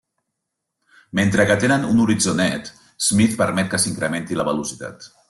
Mentre que tenen un horitzó net, Smith permet que s'incrementi la velocitat.